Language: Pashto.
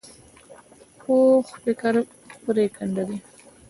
پوخ فکر پرېکنده وي